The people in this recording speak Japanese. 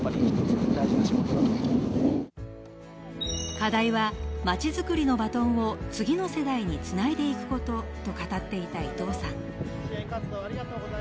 課題は、街づくりのバトンを次の世代につないでいくことと語っていた伊藤さん。